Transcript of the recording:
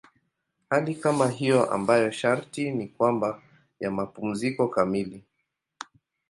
Hali kama hiyo ambayo sharti ni kwamba ya mapumziko kamili.